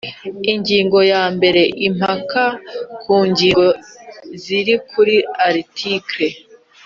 Ingingo ya mbere Impaka ku ngingo ziri kuri Article